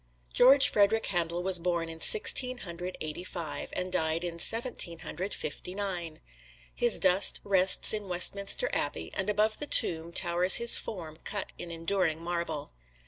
George Frederick Handel was born in Sixteen Hundred Eighty five, and died in Seventeen Hundred Fifty nine. His dust rests in Westminster Abbey, and above the tomb towers his form cut in enduring marble.